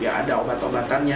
ya ada obat obatannya